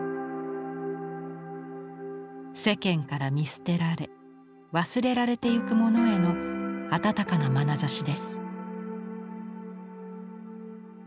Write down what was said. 世間から見捨てられ忘れられていくものへの温かなまなざしです。